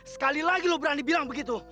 sekali lagi lo berani bilang begitu